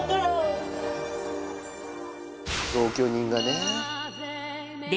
同居人がね。